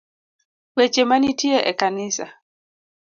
Weche manitie e kanisa